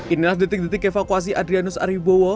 inilah detik detik evakuasi adrianus arif bowo